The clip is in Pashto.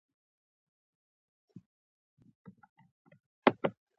هغه به اسیرانو سره ښه سلوک کاوه.